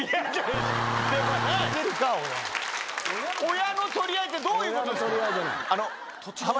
親の取り合いってどういうことですか？